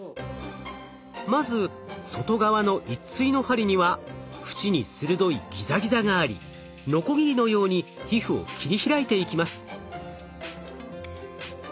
まず外側の一対の針には縁に鋭いギザギザがありノコギリのように皮膚を切り開いていきます。